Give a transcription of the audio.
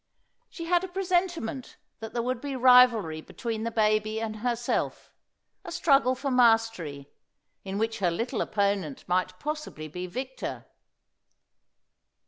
She had a presentiment that there would be rivalry between the baby and herself a struggle for mastery, in which her little opponent might possibly be victor.